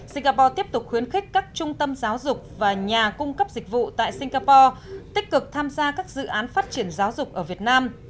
singapore tiếp tục khuyến khích các trung tâm giáo dục và nhà cung cấp dịch vụ tại singapore tích cực tham gia các dự án phát triển giáo dục ở việt nam